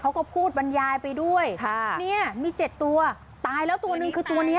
เขาก็พูดบรรยายไปด้วยค่ะเนี่ยมีเจ็ดตัวตายแล้วตัวหนึ่งคือตัวเนี้ย